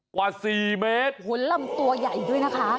กว่าสี่เมตรโอ้โหลำตัวใหญ่ด้วยนะคะ